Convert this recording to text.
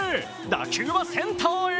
打球はセンターへ。